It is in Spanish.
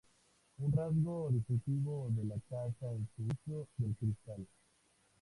Un rasgo distintivo de la casa es su uso del cristal.